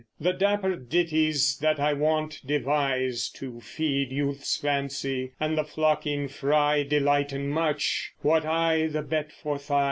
The dapper ditties that I wont devise, To feed youth's fancy, and the flocking fry Delghten much what I the bet forthy?